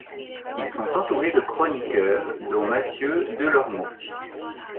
Ils sont entourés de chroniqueurs dont Matthieu Delormeau.